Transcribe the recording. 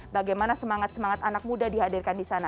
bagaimana semangat semangat anak muda dihadirkan disana